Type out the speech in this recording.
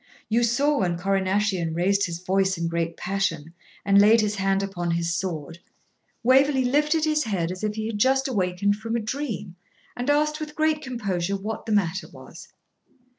You saw when Corrinaschian raised his voice in great passion, and laid his hand upon his sword, Waverley lifted his head as if he had just awaked from a dream, and asked with great composure what the matter was.'